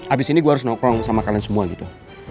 abis ini gue harus nokrong sama kalian semua gitu